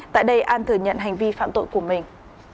tại đây an thừa nhận hành vi phạm tội của mình